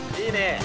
いいね。